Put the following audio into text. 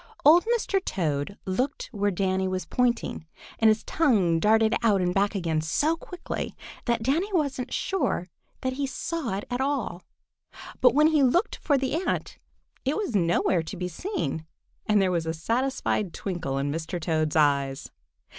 Old Mr. Toad looked where Danny was pointing, and his tongue darted out and back again so quickly that Danny wasn't sure that he saw it at all, but when he looked for the ant it was nowhere to be seen, and there was a satisfied twinkle in Mr. Toad's eyes.